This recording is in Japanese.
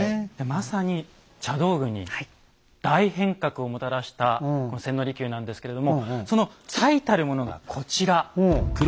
まさに茶道具に大変革をもたらしたこの千利休なんですけれどもその最たるものがこちら。